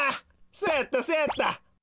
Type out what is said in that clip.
そうやったそうやった。